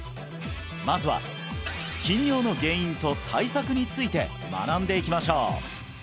まずは頻尿の原因と対策について学んでいきましょう！